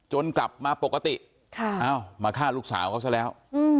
กลับมาปกติมาฆ่าลูกสาวเขาซะแล้ว